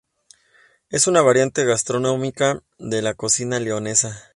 Es una variante gastronómica de la cecina leonesa.